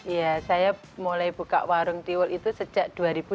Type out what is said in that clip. ya saya mulai buka warung tiwul itu sejak dua ribu lima belas